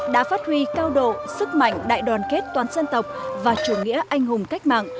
đã phát huy cao độ sức mạnh đại đoàn kết toán dân tộc và chủ nghĩa anh hùng cách mạng